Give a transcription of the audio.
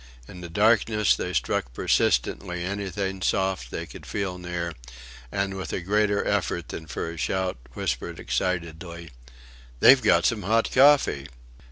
In the darkness they struck persistently anything soft they could feel near, and, with a greater effort than for a shout, whispered excitedly: "They've got some hot coffee....